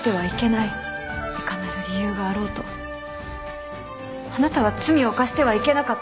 いかなる理由があろうとあなたは罪を犯してはいけなかった。